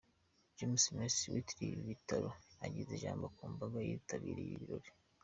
James Mercy witiriwe ibi bitaro ageza ijambo ku mbaga yitabiriye ibi birori.